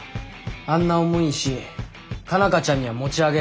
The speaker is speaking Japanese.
あんな重い石佳奈花ちゃんには持ち上げらんねえ。